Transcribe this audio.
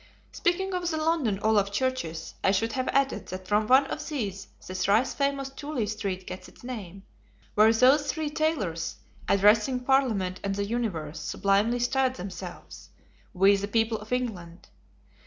Speaking of the London Olaf Churches, I should have added that from one of these the thrice famous Tooley Street gets its name, where those Three Tailors, addressing Parliament and the Universe, sublimely styled themselves, "We, the People of England."